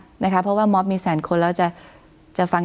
คุณปริณาค่ะหลังจากนี้จะเกิดอะไรขึ้นอีกได้บ้าง